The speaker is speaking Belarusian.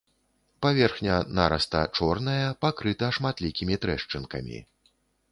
Паверхня нараста чорная, пакрыта шматлікімі трэшчынкамі.